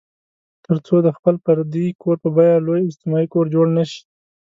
تر څو د خپل فردي کور په بیه لوی اجتماعي کور جوړ نه شي.